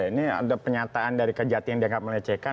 ini ada penyataan dari kejati yang dia enggak melecehkan